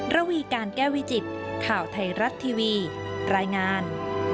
ระวีการแก้วิจิตข่าวไทยรัฐทีวีรายงาน